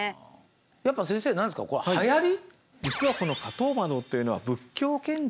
やっぱり先生何ですかこれはやり？